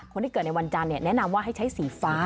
คนที่เกิดในวันจันทร์แนะนำว่าให้ใช้สีฟ้า